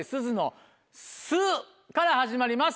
から始まります！